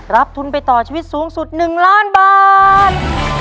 รับทุนไปต่อชีวิตสูงสุด๑๐๐๐๐๐๐บาท